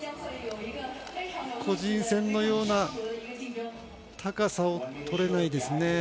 個人戦のような高さをとれないですね。